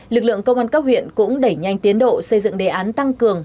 lực lượng công an cấp huyện cũng đẩy nhanh tiến độ xây dựng đề án tăng cường